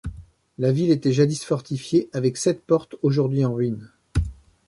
La ville était jadis fortifiée, avec sept portes aujourd'hui en ruines.